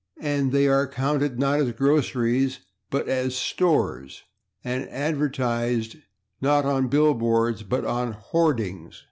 And they are counted, not as /groceries/, but as /stores/, and advertised, not on /bill boards/ but on /hoardings